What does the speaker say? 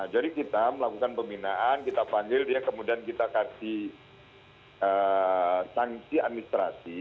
jadi kita melakukan pembinaan kita panggil kemudian kita kasih tanggung jawab administrasi